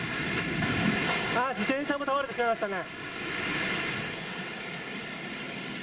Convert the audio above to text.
自転車も倒れてしまいましたね。